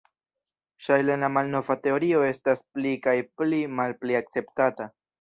Ŝajne la malnova teorio estas pli kaj pli malpli akceptata.